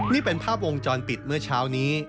นี่เป็นภาพวงจรปิดเมื่อเช้านี้